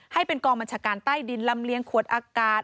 ให้เป็นกองบัญชาการใต้ดินลำเลียงขวดอากาศ